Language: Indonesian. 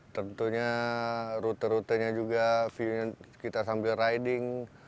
tentunya rute rutenya juga view nya kita sambil riding